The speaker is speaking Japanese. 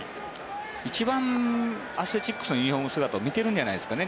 一番、アスレチックスのユニホーム姿を見ているんじゃないですかね